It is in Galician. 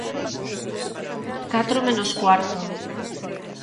¡Catro menos cuarto!